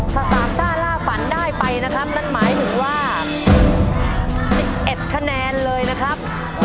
ถ้าสามซ่าล่าฝันได้ไปนะครับนั่นหมายถึงว่า๑๑คะแนนเลยนะครับ